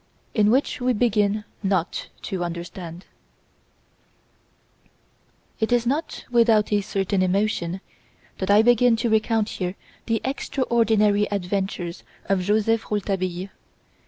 In Which We Begin Not to Understand It is not without a certain emotion that I begin to recount here the extraordinary adventures of Joseph Rouletabille.